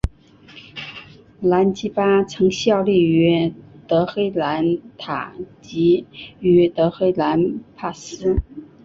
兰吉巴曾效力于德黑兰塔吉于德黑兰帕斯。